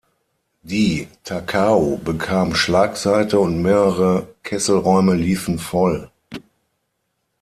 Die "Takao" bekam Schlagseite, und mehrere Kesselräume liefen voll.